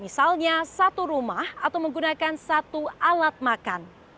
misalnya satu rumah atau menggunakan satu alat makan